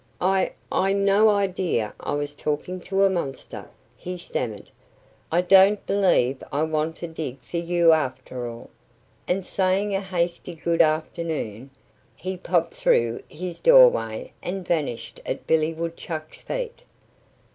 "I I'd no idea I was talking to a monster," he stammered. "I don't believe I want to dig for you, after all." And saying a hasty good afternoon, he popped through his doorway and vanished at Billy Woodchuck's feet.